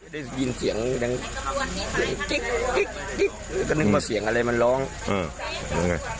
ได้ยินเสียงดังกิ๊กก็นึกว่าเสียงอะไรมันร้องอืมไง